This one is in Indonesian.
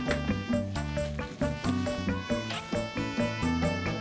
nih abang beliin lo buah